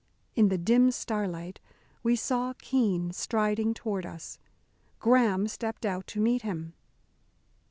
In the dim starlight we saw Keene striding toward us. Graham stepped out to meet him.